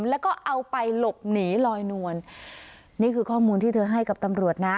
แล้วก็เอาไปหลบหนีลอยนวลนี่คือข้อมูลที่เธอให้กับตำรวจนะ